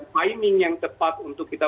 pembayaran yang tepat untuk kita